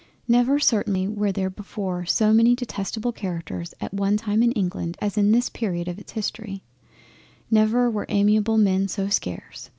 Never certainly were there before so many detestable Characters at one time in England as in this Period of its History; never were amiable men so scarce.